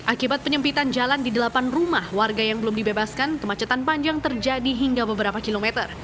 akibat penyempitan jalan di delapan rumah warga yang belum dibebaskan kemacetan panjang terjadi hingga beberapa kilometer